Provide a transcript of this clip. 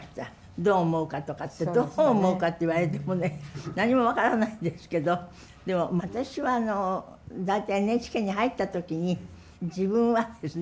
どう思うかとかってどう思うかって言われてもね何も分からないんですけどでも私は大体ＮＨＫに入った時に自分はですね